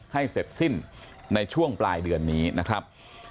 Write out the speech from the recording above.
ให้เสร็จสิ้นในช่วงปลายเดือนนี้นะครับ